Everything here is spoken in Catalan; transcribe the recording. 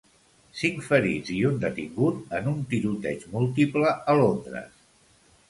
Cinc ferits i un detingut en un tiroteig múltiple a Londres.